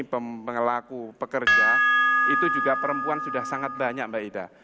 pengelaku pekerja itu juga perempuan sudah sangat banyak mbak ida